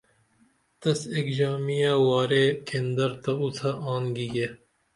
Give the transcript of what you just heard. تس ایک ژامیہ وارے کیندر تہ اوڅھہ آن گیگے